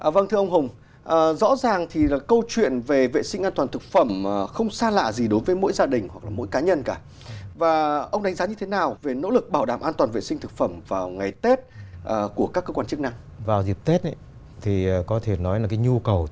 vào dịp tết thì có thể nói là cái nhu cầu tiêu dùng nó tăng lên